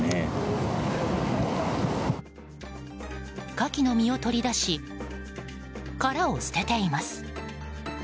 カキの身を取り出し殻を捨てています。